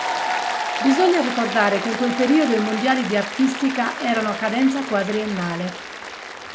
Bisogna ricordare che in quel periodo i Mondiali di artistica erano a cadenza quadriennale.